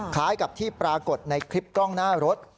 คล้ายกับที่ปรากฏในคลิปกล้องหน้ารถ